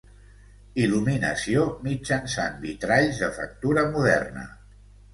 Il·luminació mitjançant vitralls de factura moderna.